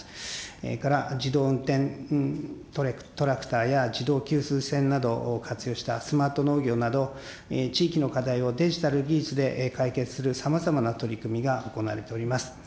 それから自動運転トラクターや、自動給水栓などを活用したスマート農業など、地域の課題をデジタル技術で解決するさまざまな取り組みが行われております。